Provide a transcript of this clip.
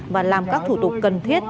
và làm các thủ tục cần thiết